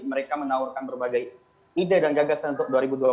mereka menawarkan berbagai ide dan gagasan untuk dua ribu dua puluh